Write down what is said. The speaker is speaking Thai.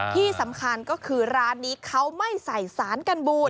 ที่สำคัญก็คือร้านนี้เขาไม่ใส่สารกันบูด